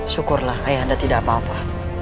syukurlah ayah anda tidak apa apa